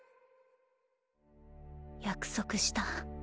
約束した。